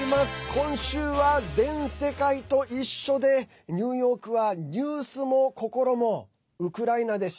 今週は、全世界と一緒でニューヨークはニュースも心もウクライナです。